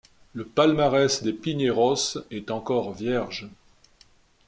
Le palmarès des Pineros est encore vierge.